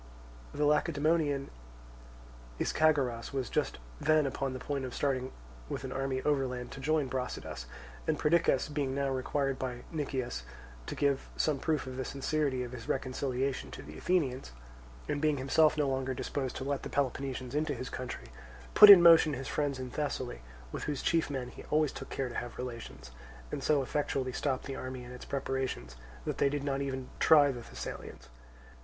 The Lacedaemonian Ischagoras was just then upon the point of starting with an army overland to join Brasidas; and Perdiccas, being now required by Nicias to give some proof of the sincerity of his reconciliation to the Athenians, and being himself no longer disposed to let the Peloponnesians into his country, put in motion his friends in Thessaly, with whose chief men he always took care to have relations, and so effectually stopped the army and its preparation that they did not even try the Thessalians.